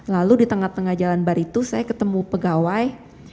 lalu di tengah tengah jalan bar itu saya ketemu pegawai